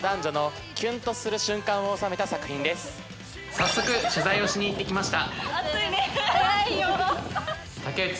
早速、取材をしに行ってきました。